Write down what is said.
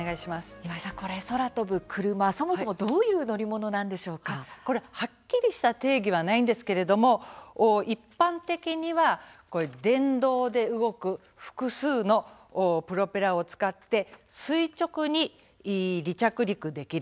今井さん、空飛ぶクルマそもそもどういうはっきりした定義はないんですが、一般的には電動で動く複数のプロペラを使って垂直に離着陸できる。